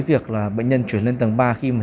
việc là bệnh nhân chuyển lên tầng ba khi mà